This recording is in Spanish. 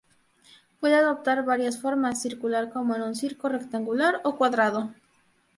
Puede adoptar varias formas, circular como en un circo, rectangular o cuadrado.